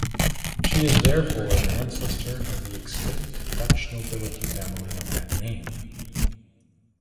She is therefore an ancestor of the extinct Dutch nobility family of that name.